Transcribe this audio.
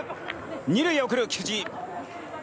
２塁へ送る、菊池。